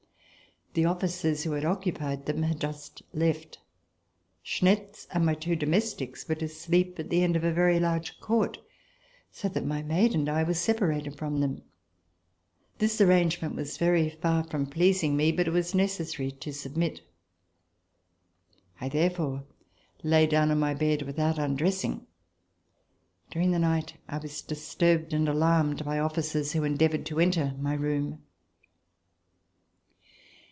The officers who occupied them had just left. Schnetz and my two domestics were to sleep at the end of a very large court, so that my maid and I were separated from them. This arrangement was very far from pleasing me, but it was necessary to submit. I therefore lay down on the bed without undressing. During the night I was disturbed and alarmed by officers who endeavored to enter my room.